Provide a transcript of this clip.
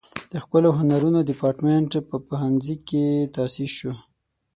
د ښکلو هنرونو دیپارتمنټ په پوهنځي کې تاسیس شو.